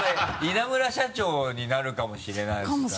稲村社長になるかもしれないですから。